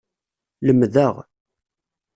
Lemdeɣ.